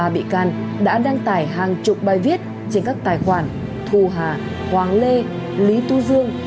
ba bị can đã đăng tải hàng chục bài viết trên các tài khoản thù hà hoàng lê lý tú dương